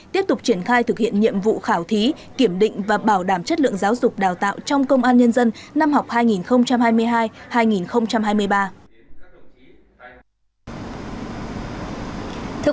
tiếp tục triển khai thực hiện nhiệm vụ khảo thí kiểm định và bảo đảm chất lượng giáo dục đào tạo trong công an nhân dân năm học hai nghìn hai mươi hai hai nghìn hai mươi ba